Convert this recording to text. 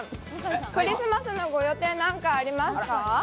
クリスマスのご予定は何かありますか？